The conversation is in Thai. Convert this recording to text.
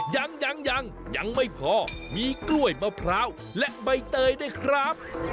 ยังยังยังไม่พอมีกล้วยมะพร้าวและใบเตยด้วยครับ